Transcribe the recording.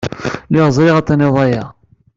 Lliɣ ẓriɣ ad d-tiniḍ aya.